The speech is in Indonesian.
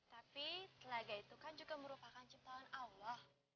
tapi telaga itu kan juga merupakan ciptaan allah